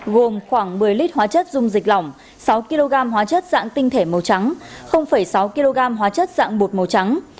gồm khoảng một mươi lít hóa chất dung dịch lỏng sáu kg hóa chất dạng tinh thể màu trắng sáu kg hóa chất dạng bột màu trắng